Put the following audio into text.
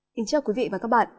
xin chào quý vị và các bạn